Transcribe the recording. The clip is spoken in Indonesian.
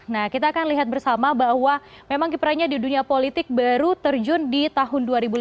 nah kita akan lihat bersama bahwa memang kiprahnya di dunia politik baru terjun di tahun dua ribu lima belas